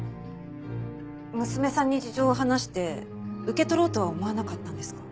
娘さんに事情を話して受け取ろうとは思わなかったんですか？